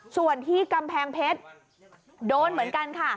ส่วนที่กำแพงเพชรโดนเหมือนกันค่ะ